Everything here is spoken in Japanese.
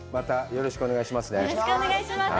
よろしくお願いします。